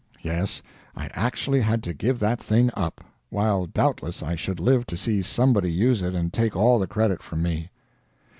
Yes, I actually had to give that thing up while doubtless I should live to see somebody use it and take all the credit from me.